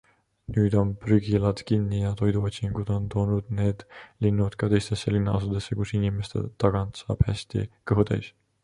Nüüd on prügilad kinni ja toiduotsingud on toonud need linnud ka teistesse linnadesse, kus inimeste tagant saab hästi kõhu täis.